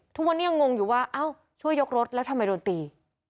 ทุกวันนี้ยังงงอยู่ว่าเอ้าช่วยยกรถแล้วทำไมโดนตี